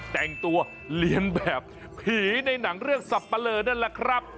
แต่งตัวเรียนแบบผีในหนังเรื่องสับปะเลอนั่นแหละครับ